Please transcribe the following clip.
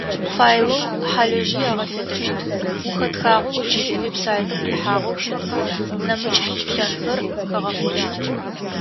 Файлэу хьалыжьый агъэфедэщт, ухэтхагъэу ыкӏи веб-сайтым уихьагъэу щытмэ, нэмыкӏ лъыплъэнхэр хагъэхъощт.